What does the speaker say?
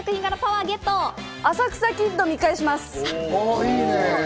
『浅草キッド』を見返します。